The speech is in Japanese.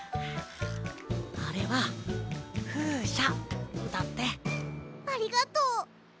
あれは「ふうしゃ」だって。ありがとう！